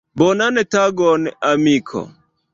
Bonan tagon, amiko.